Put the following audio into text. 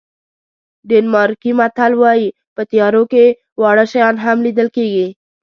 ډنمارکي متل وایي په تیارو کې واړه شیان هم لیدل کېږي.